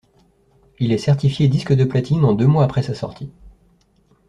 Il est certifié disque de platine en deux mois après sa sortie.